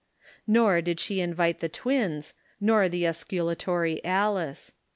Nor did she invite the twins, nor the osculatory Alice.